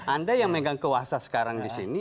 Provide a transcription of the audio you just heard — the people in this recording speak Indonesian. anda yang megang kuasa sekarang di sini